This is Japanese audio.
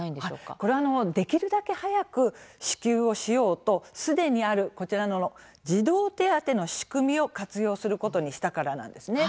これはできるだけ早く支給をしようとすでにある児童手当の仕組みを活用することにしたからなんですね。